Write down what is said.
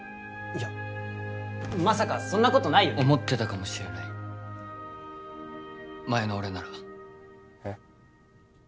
いやまさかそんなことないよね思ってたかもしれない前の俺ならえっ？